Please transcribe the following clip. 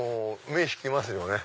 目引きますよね。